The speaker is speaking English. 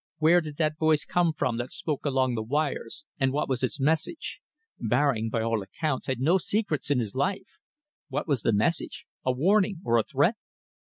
Where did that voice come from that spoke along the wires, and what was its message? Baring, by all accounts, had no secrets in his life. What was the message a warning or a threat?"